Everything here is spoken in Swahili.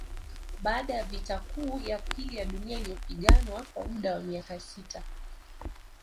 Baada ya vita kuu ya pili ya Dunia iliyopiganwa kwa muda wa miaka sita